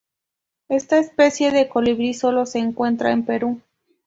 Esta especie de colibrí solo se encuentra en Perú.